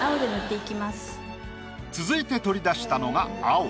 続いて取り出したのが青。